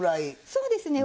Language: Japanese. そうですね。